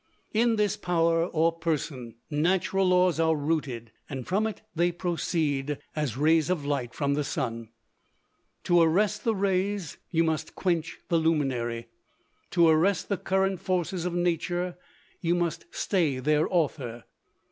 In this power or person, natural laws are rooted, and from it they proceed, as rays of light from the sun. To arrest the rays, you must quench the luminary; to arrest the current forces of nature, you must stay their author.